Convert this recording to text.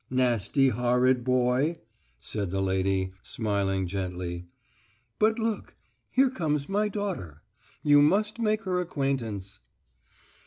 Nasty, horrid boy," said the lady, smiling gently. "But look, here comes my daughter. You must make her acquaintance."